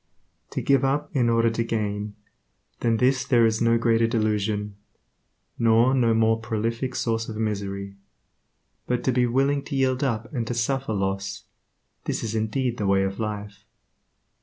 To give up in order to gain, than this there is no greater delusion, nor no more prolific source of misery; but to be willing to yield up and to suffer loss, this is indeed the Way of Life.